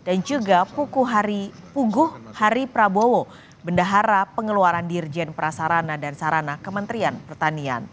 dan juga puguh hari prabowo bendahara pengeluaran dirjen prasarana dan sarana kementerian pertanian